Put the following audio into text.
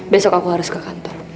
besok aku harus ke kantor